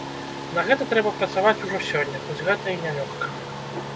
На гэта трэба працаваць ужо сёння, хоць гэта і не лёгка.